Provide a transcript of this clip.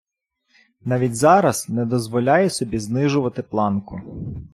Навіть зараз не дозволяє собі знижувати планку.